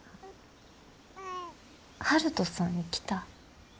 悠人さん来た？